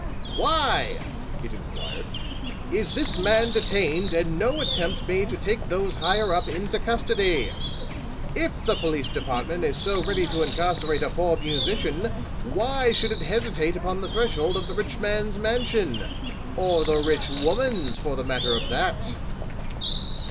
"Why," it inquired, "is this man detained and no attempt made to take those higher up into custody? If the Police Department is so ready to incarcerate a poor musician, why should it hesitate upon the threshold of the rich man's mansion? or the rich woman's, for the matter of that?"